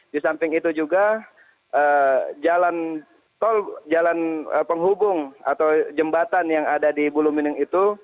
di samping itu juga jalan tol jalan penghubung atau jembatan yang ada di bulumining itu